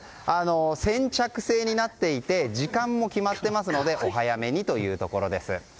先着制になっていて時間も決まっていますのでお早めにということです。